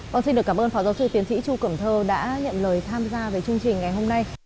vâng xin được cảm ơn phó giáo sư tiến sĩ chu cẩm thơ đã nhận lời tham gia về chương trình ngày hôm nay